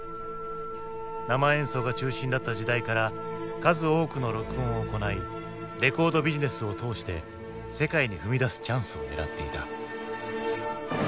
生演奏が中心だった時代から数多くの録音を行いレコードビジネスを通して世界に踏み出すチャンスを狙っていた。